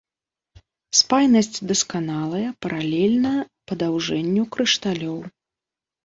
Спайнасць дасканалая, паралельна падаўжэнню крышталёў.